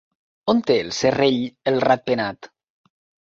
On té el serrell el ratpenat?